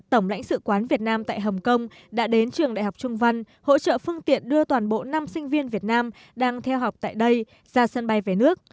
tổng lãnh sự quán việt nam tại hồng kông đã đến trường đại học trung văn hỗ trợ phương tiện đưa toàn bộ năm sinh viên việt nam đang theo học tại đây ra sân bay về nước